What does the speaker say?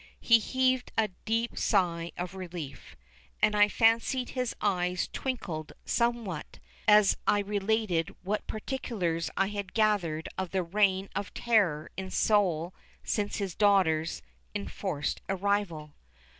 He heaved a deep sigh of relief, and I fancied his eyes twinkled somewhat as I related what particulars I had gathered of the reign of terror in Seoul since his daughter's enforced arrival.